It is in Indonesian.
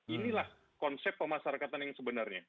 inilah konsep pemasarakatan yang sebenarnya